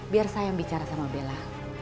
biar saya yang bicara sama bella